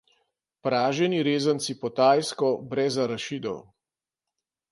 Praženi rezanci po tajsko, brez arašidov.